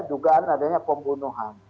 dugaan adanya pembunuhan